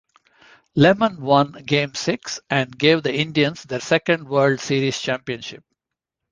Lemon won Game Six and gave the Indians their second World Series championship.